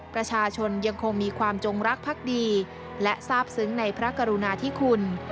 ประชาชนยังคงมีความจงรักภักดีและทราบซึ้งในพระกรุณาธิคุณ